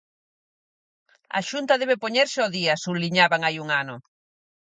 "A Xunta debe poñerse ao día", subliñaban hai un ano.